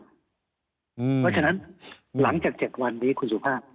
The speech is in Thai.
เพราะฉะนั้นหลังจาก๗วันนี้คุณสุภาพ